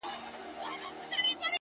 • د داســي زيـري انـتــظـار كـومــه،